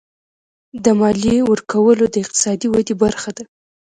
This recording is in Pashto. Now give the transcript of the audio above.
د مالیې ورکول د اقتصادي ودې برخه ده.